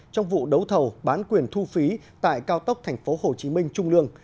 trong vụ đấu thầu bán quyền thu phí tại cao tốc tp hcm trung lương